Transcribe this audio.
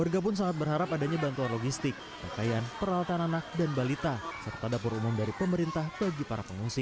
warga pun sangat berharap adanya bantuan logistik pakaian peralatan anak dan balita serta dapur umum dari pemerintah bagi para pengungsi